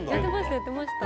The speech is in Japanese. やってました。